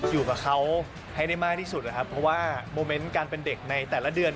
อยู่กับเขาให้ได้มากที่สุดนะครับเพราะว่าโมเมนต์การเป็นเด็กในแต่ละเดือน